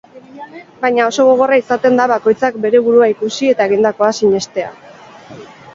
Baina oso gogorra izaten da bakoitzak bere burua ikusi eta egindakoa sinestea.